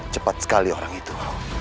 cepat sekali orang itu